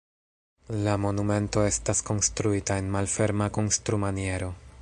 La monumento estas konstruita en malferma konstrumaniero.